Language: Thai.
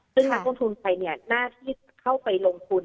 ซึ่งนักลงทุนไทยหน้าที่เข้าไปลงทุน